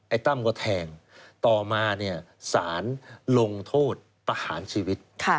ตั้มก็แทงต่อมาเนี่ยสารลงโทษประหารชีวิต